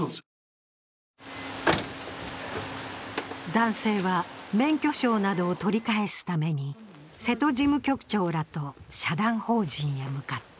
男性は、免許証などを取り返すために瀬戸事務局長らと社団法人へ向かった。